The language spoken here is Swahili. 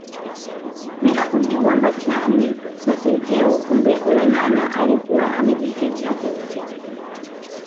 Bila kujua Mbatiany na Senteu kumbe Olonana alikuwa amejificha kwenye jamvi